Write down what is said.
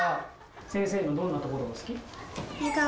先生のどんなところが好き？